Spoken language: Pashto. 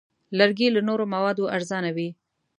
لرګی له نورو موادو ارزانه وي.